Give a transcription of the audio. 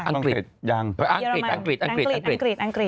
อังกฤษยังภาษาอังกฤษอังกฤษอังกฤษอังกฤษอังกฤษ